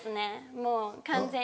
もう完全に。